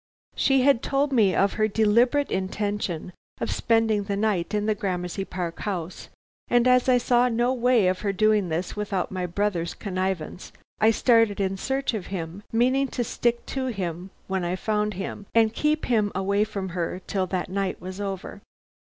She had told me of her deliberate intention of spending the night in the Gramercy Park house; and as I saw no way of her doing this without my brother's connivance, I started in search of him, meaning to stick to him when I found him, and keep him away from her till that night was over.